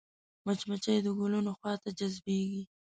مچمچۍ د ګلونو خوا ته جذبېږي